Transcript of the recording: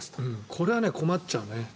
これは困っちゃうね。